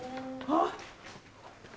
あっ。